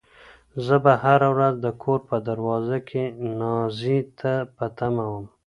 زه به هره ورځ د کور په دروازه کې نازيې ته په تمه وم.